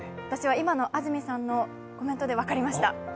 私は今の安住さんのコメントで分かりました。